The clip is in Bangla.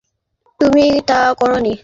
কিন্তু না, তুমি তা করনি।